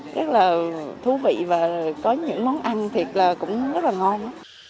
rất là thú vị và có những món ăn thịt là cũng rất là ngon